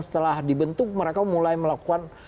setelah dibentuk mereka mulai melakukan